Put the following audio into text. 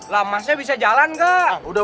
lah emang masih bisa jalan kak